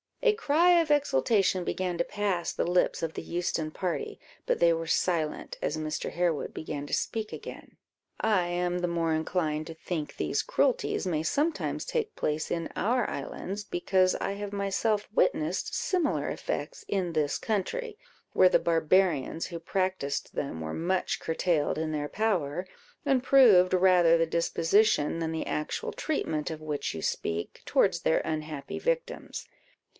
A cry of exultation began to pass the lips of the Euston party; but they were silent, as Mr. Harewood began to speak again. "I am the more inclined to think these cruelties may sometimes take place in our islands, because I have myself witnessed similar effects in this country, where the barbarians who practised them were much curtailed in their power, and proved rather the disposition than the actual treatment of which you speak towards their unhappy victims."